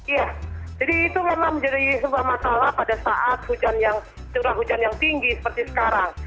iya jadi itu memang menjadi sebuah masalah pada saat curah hujan yang tinggi seperti sekarang